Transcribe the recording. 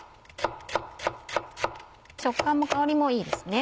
食感も香りもいいですね。